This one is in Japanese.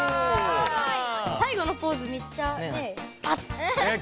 さい後のポーズめっちゃねえ